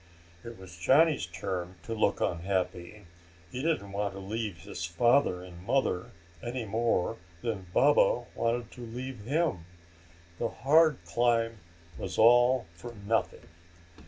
It was Johnny's turn to look unhappy. He didn't want to leave his father and mother, any more than Baba wanted to leave him. The hard climb was all for nothing.